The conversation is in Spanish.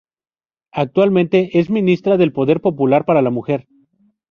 Actualmente es ministra del Poder Popular para la Mujer.